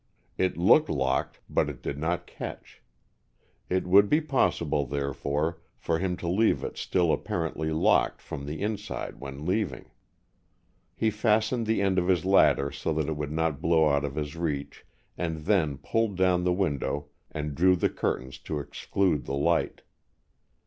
It looked locked, but it did not catch. It would be possible, therefore, for him to leave it still apparently locked from the inside when leaving. He fastened the end of his ladder so that it would not blow out of his reach, and then pulled down the window and drew the curtains to exclude the light.